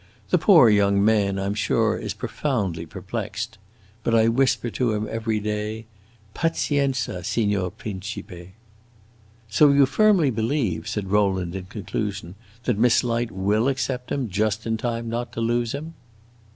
The poor young man, I am sure, is profoundly perplexed. But I whisper to him every day, 'Pazienza, Signor Principe!'" "So you firmly believe," said Rowland, in conclusion, "that Miss Light will accept him just in time not to lose him!"